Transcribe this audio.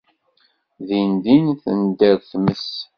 Din din, tender tmes.